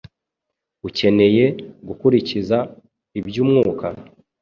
Ukeneye gukurikiza iby’Umwuka?